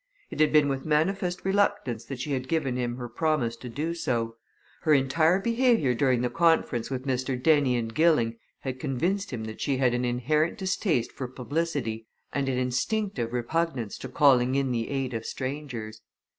It had been with manifest reluctance that she had given him her promise to do so: her entire behaviour during the conference with Mr. Dennie and Gilling had convinced him that she had an inherent distaste for publicity and an instinctive repugnance to calling in the aid of strangers.